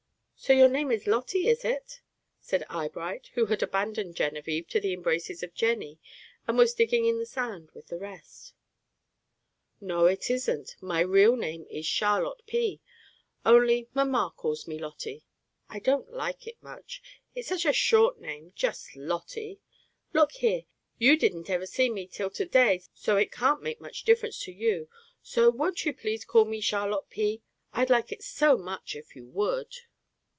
"So your name is Lotty, is it?" said Eyebright, who had abandoned Genevieve to the embraces of Jenny, and was digging in the sand with the rest. "No, it isn't. My really name is Charlotte P., only Mamma calls me Lotty. I don't like it much. It's such a short name, just Lotty. Look here, you didn't ever see me till to day, so it can't make much difference to you, so won't you please call me Charlotte P.? I'd like it so much if you would."